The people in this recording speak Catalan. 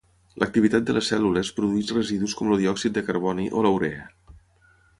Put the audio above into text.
L'activitat de les cèl·lules produeix residus com el diòxid de carboni o la urea.